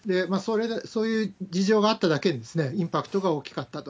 そういう事情があっただけに、インパクトが大きかったと。